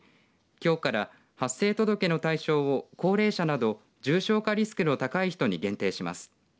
きょうから、発生届の対象を高齢者など重症化リスクの高い人に限定します。